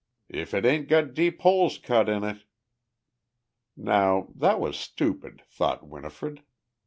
"If it ain't got deep holes cut in it!" Now that was stupid, thought Winifred.